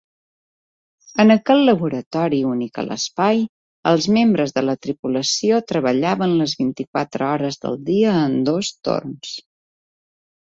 En aquest laboratori únic a l'espai, els membres de la tripulació treballaven les vint-i-quatre hores del dia en dos torns.